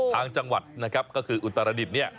ทางจังหวัดนะครับก็คืออุตรศิลป์